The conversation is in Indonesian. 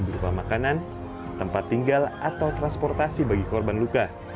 berupa makanan tempat tinggal atau transportasi bagi korban luka